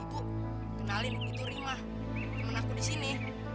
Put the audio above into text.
ibu kenalin itu rumah teman aku di sini